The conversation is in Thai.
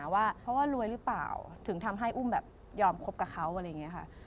ว่าเพราะว่ารวยหรือเปล่าถึงทำให้อุ้มแบบยอมคบกับเขาอะไรอย่างนี้ค่ะ